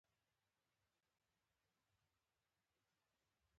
د مور نوم «آیدا» وي